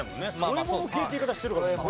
添え物系っていう言い方してるから。